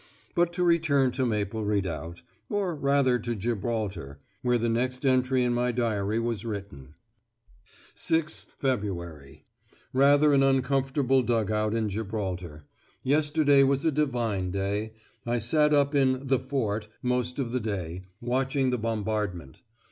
But to return to Maple Redoubt, or rather to Gibraltar, where the next entry in my diary was written. "6th Feb. Rather an uncomfortable dug out in Gibraltar. Yesterday was a divine day. I sat up in 'the Fort' most of the day, watching the bombardment.